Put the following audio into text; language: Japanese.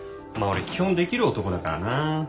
まあ俺基本できる男だからな。